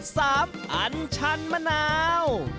อันชันมะนาว